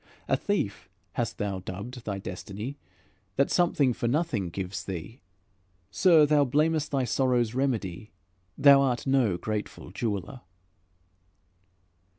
A thief thou hast dubbed thy destiny That something for nothing gives thee, sir; Thou blamest thy sorrow's remedy, Thou art no grateful jeweler."